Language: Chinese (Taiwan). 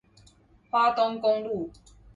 花東公路